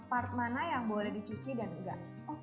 part mana yang boleh dicuci dan enggak